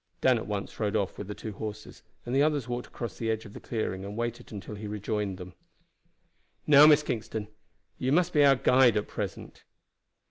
Dan at once rode off with the two horses, and the others walked across to the edge of the clearing and waited until he rejoined them. "Now, Miss Kingston, you must be our guide at present."